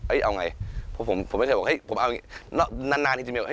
เอ้ยเอาไงผมไม่เคยบอกนานทีเมียว